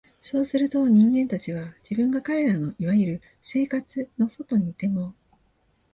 そうすると、人間たちは、自分が彼等の所謂「生活」の外にいても、